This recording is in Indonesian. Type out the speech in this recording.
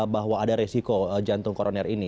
bahwa ada resiko jantung koroner ini